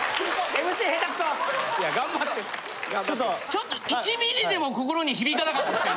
ちょっと１ミリでも心に響いてなかったですか？